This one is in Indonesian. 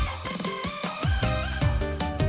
sampai jumpa lagi